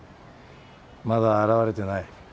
まだ現れてない。